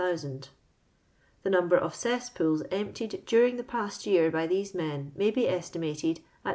:iOO,000 Tho number of cesspools emptied during the past year by those men may be estimated at :>(),(•!